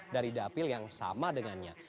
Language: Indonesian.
dari dapil yang sama dengannya